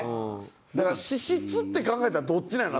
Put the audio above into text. だから資質って考えたらどっちなんやろな？